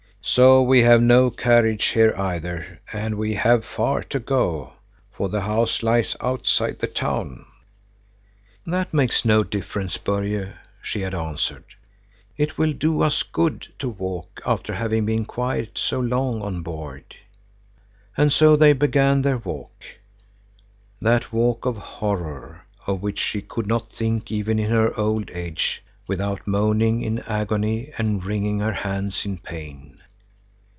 So we have no carriage here either, and we have far to go, for the house lies outside the town." "That makes no difference, Börje," she had answered. "It will do us good to walk, after having been quiet so long on board." And so they began their walk, that walk of horror, of which she could not think even in her old age without moaning in agony and wringing her hands in pain.